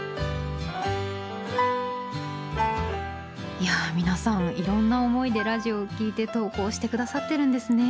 いやぁ皆さんいろんな思いでラジオを聴いて投稿して下さってるんですね。